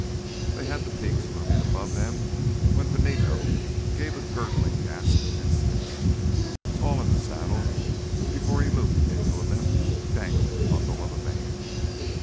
They had the peaks looming above them when Benito gave a gurgling gasp and stiffened, tall in the saddle, before he looped into a limp, dangling bundle of a man.